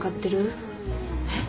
えっ？